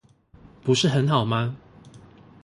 不是很好嗎